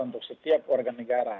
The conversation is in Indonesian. untuk setiap warga negara